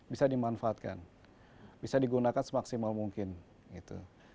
bisa dimanfaatkan bisa digunakan semaksimal mungkin gitu